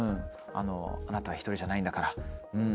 あなたは一人じゃないんだから。